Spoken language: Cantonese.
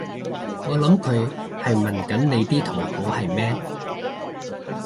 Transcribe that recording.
我諗佢係問緊你啲同好係咩？